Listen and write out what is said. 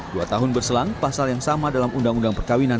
dua tahun berselang pasal yang sama dalam undang undang perkawinan